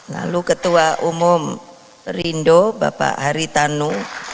lalu ketua umum rindo bapak hari tanu